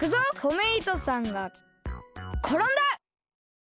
トメイトさんがころんだ！